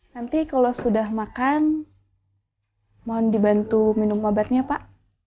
nanti kalau sudah makan mohon dibantu minum obatnya pak